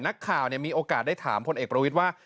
นักข่าวมีโอกาสได้ถามพลเอกประวิทย์ว่า